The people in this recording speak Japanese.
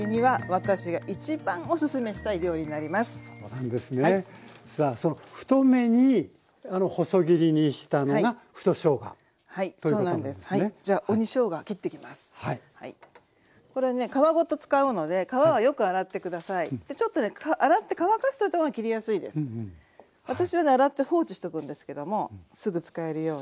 私はね洗って放置しとくんですけどもすぐ使えるように。